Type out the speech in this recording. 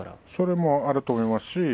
それもあると思います。